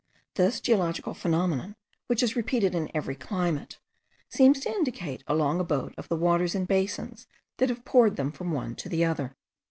This geological phenomenon, which is repeated in every climate, seems to indicate a long abode of the waters in basins that have poured them from one to the other.